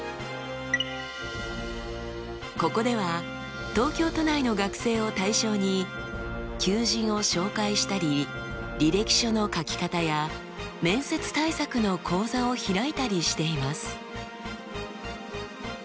ここでは東京都内の学生を対象に求人を紹介したり履歴書の書き方や面接対策の講座を開いたりしています。